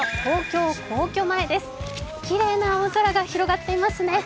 きれいな青空が広がっていますね。